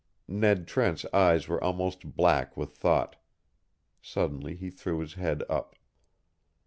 Ned Trent's eyes were almost black with thought. Suddenly he threw his head up.